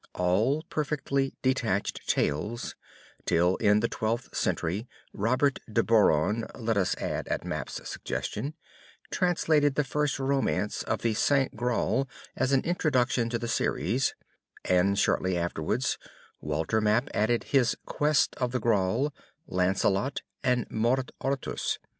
all perfectly detached tales, till in the Twelfth Century Robert de Borron (let us add, at Map's suggestion) translated the first Romance of the St. Graal as an introduction to the series, and shortly afterwards Walter Map added his Quest of the Graal, Lancelot, and Mort Artus.